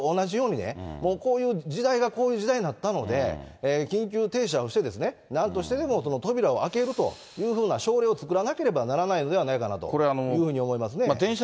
今回もこれと同じようにね、もうこういう、時代がこういう時代になったので、緊急停車をして、なんとしてでも扉を開けるというふうなしょうれいを作らなければならないのではないかなというふうに思いますね。